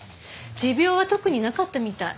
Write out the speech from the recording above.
持病は特になかったみたい。